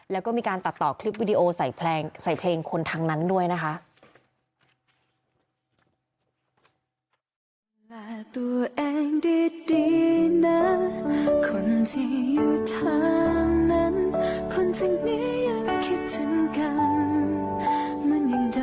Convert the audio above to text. แล้วก็มีการตัดต่อคลิปวิดีโอใส่เพลงคนทางนั้นด้วยนะคะ